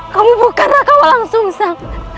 kamu bukan raka walang sungsang